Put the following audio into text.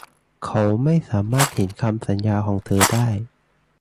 เขาไม่สามารถเห็นคำสัญญาของเธอได้